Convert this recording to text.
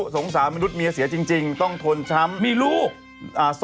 ที่เกิดมีประเด็นดังมากด้วย